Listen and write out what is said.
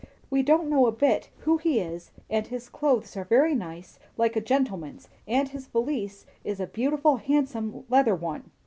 We don't know a bit who he is; and his clothes are very nice, like a gentleman, and his valise is a beautiful, handsome leather one."